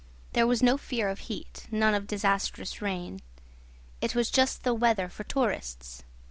There was no fear of heat, none of disastrous rain. It was just the weather for tourists.